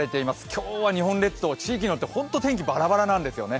今日は日本列島、地域によって本当に天気ばらばらなんですよね。